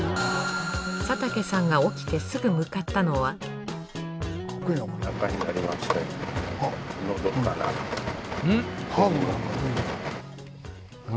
佐竹さんが起きてすぐ向かったのはのどかな。